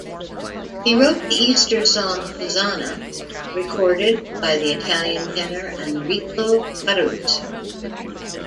He wrote the Easter song "Hosanna" recorded by the Italian tenor Enrico Caruso.